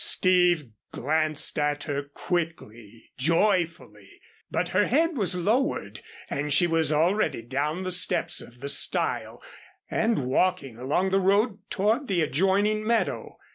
Steve glanced at her quickly, joyfully, but her head was lowered and she was already down the steps of the stile and walking along the road toward the adjoining meadow.